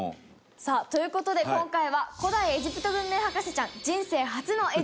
さあという事で今回は古代エジプト文明博士ちゃん人生初のエジプトへ。